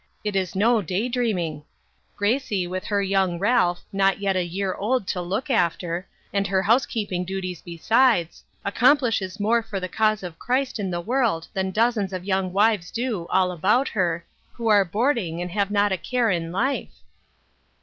It is no day dreaming. Gracie, with her young Ralph, not yet a year old, to look after, and her housekeeping duties besides, accomplishes more for the cause of Christ in the world than dozens of young wives do, all about her, who are boarding, and have not a care in life."